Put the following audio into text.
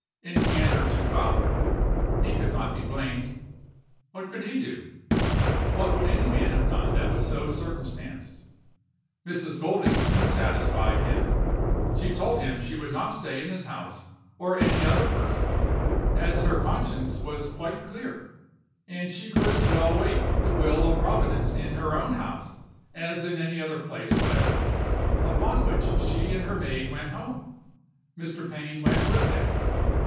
In candor to Fowler, he could not be blamed. What could he do? what would any man have done that was so circumstanced? Mrs. Golding soon satisfied him: she told him she would not stay in his house or any other person's, as her conscience was quite clear, and she could as well wait the will of Providence in her own house as in any other place whatever; upon which she and her maid went home. Mr. Pain went with them.